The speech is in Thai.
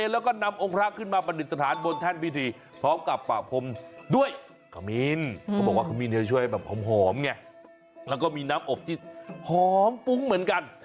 แล้วก็มีหน้าอบจิตหอมกว้างเหมือนกัน